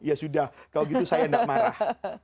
ya sudah kalau gitu saya tidak marah